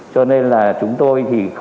cho nên là chúng tôi